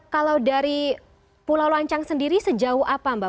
kalau dari pulau lancang sendiri sejauh apa mbak